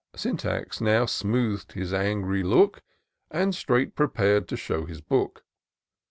Syntax now smooth'd his angry look, And straight prepar'd to shew his Book.